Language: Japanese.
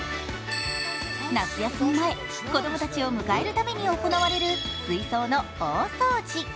夏休み前、子供たちを迎えるために行われる水槽の大掃除。